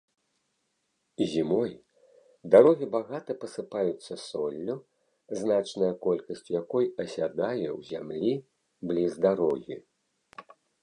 Зімой дарогі багата пасыпаюцца соллю, значная колькасць якой асядае ў зямлі бліз дарогі.